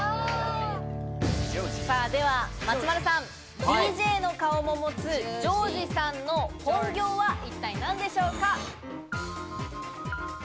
では松丸さん、ＤＪの顔も持つジョージさんの本業は一体何でしょうか？